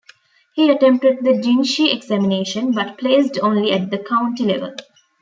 He attempted the Jinshi examination, but placed only at the county level.